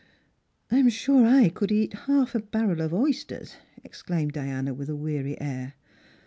" I'm sure I could eat half a barrel of oysters," exclaimed Diana, with a weary air.